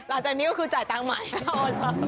หลังจากนี้ก็คือจ่ายตังค์ใหม่